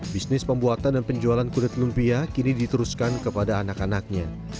bisnis pembuatan dan penjualan kulit lumpia kini diteruskan kepada anak anaknya